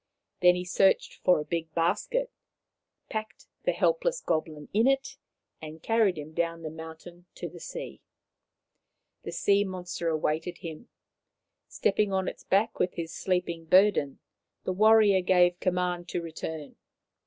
Then he searched for a big basket, packed the helpless goblin in it, and carried him down the mountain to the sea. The sea monster awaited him. Stepping on its back with his sleeping burden, the warrior gave command to return.